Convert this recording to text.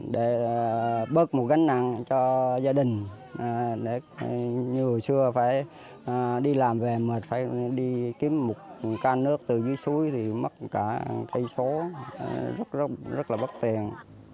để bớt một gánh nặng cho gia đình như hồi xưa phải đi làm về mệt phải đi kiếm một can nước từ dưới suối thì mất cả một km rất là bất tiền